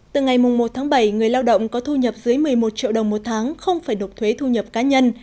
từ ngày một tháng bảy người lao động có thu nhập dưới một mươi một triệu đồng một tháng không phải đột thuế thu nhập cá nhân